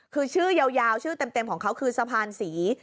คือชื่อยาวชื่อเต็มของเขาคือสะพานศรี